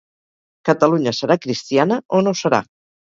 Catalunya serà cristiana o no serà.